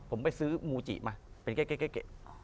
ผมไปซื้อมูจิมาเป็นเกะเกะเกะเกะ